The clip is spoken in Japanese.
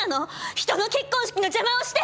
人の結婚式の邪魔をして！